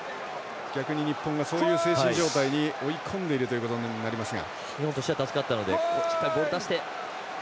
逆に日本がそういう精神状態に追い込んでいるということになりますが。